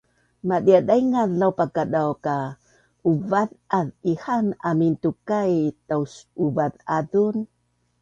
madia daingaz laupakadau ka uvaz’az ihaan amin tukai taus’uvaz’azun